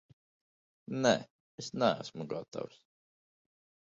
Nē, es neesmu gatavs.